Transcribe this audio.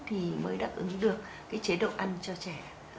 thì mới đáp ứng được cái chế độ ăn cho trẻ